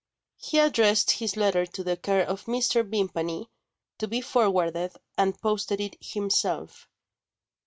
He addressed his letter to the care of Mr. Vimpany, to be forwarded, and posted it himself.